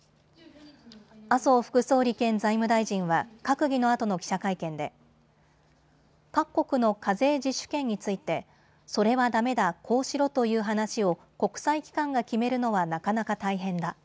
麻生副総理兼財務大臣は閣議のあとの記者会見で各国の課税自主権についてそれはダメだ、こうしろという話を国際機関が決めるのはなかなか大変だ。